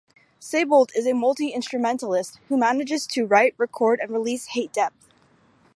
Seibold is a multi-instrumentalist who manages to write, record and release Hate Dept.